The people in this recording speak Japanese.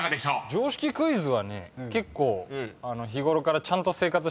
常識クイズはね結構。